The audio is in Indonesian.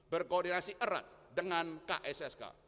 berkoordinasi erat dengan kssk